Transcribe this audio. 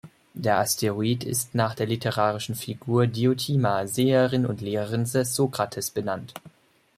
Der Asteroid ist nach der literarischen Figur Diotima, Seherin und Lehrerin des Sokrates, benannt.